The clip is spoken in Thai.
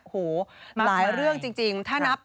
หูหลายเรื่องจริงถึง